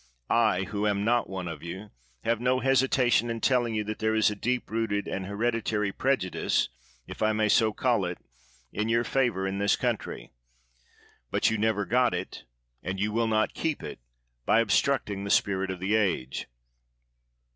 I, who am not one of you, have no hesitation in telling you that there is a deep rooted, an hereditary prejudice, if I may so call it, in your favor in this country. But you never got it, and you will not keep it, by obstructing the spirit of the age.